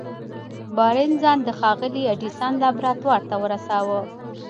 بارنس ځان د ښاغلي ايډېسن لابراتوار ته ورساوه.